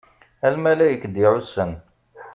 A lmalayek d-iɛussen.